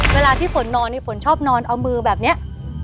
เวลาที่ฝนนอนฝนชอบนอนเอามือแบบนี้